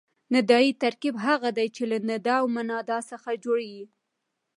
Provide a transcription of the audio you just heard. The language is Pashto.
ندایي ترکیب هغه دئ، چي له ندا او منادا څخه جوړ يي.